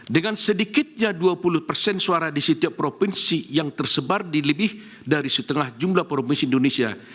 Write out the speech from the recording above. dengan sedikitnya dua puluh persen suara di setiap provinsi yang tersebar di lebih dari setengah jumlah provinsi indonesia